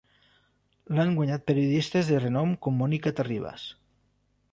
L'han guanyat periodistes de renom com Mònica Terribas.